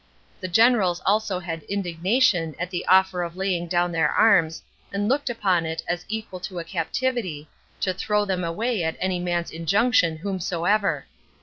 The generals also had indignation at the offer of laying down their arms, and looked upon it as equal to a captivity, to throw them away at any man's injunction whomsoever.